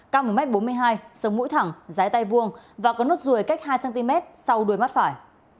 cao một m bốn mươi hai sống mũi thẳng trái tay vuông và có nốt ruồi cách hai cm sau đuôi mắt phải